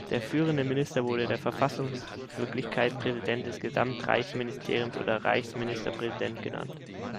Der führende Minister wurde in der Verfassungswirklichkeit "Präsident des Gesamt-Reichsministeriums" oder "Reichsministerpräsident" genannt.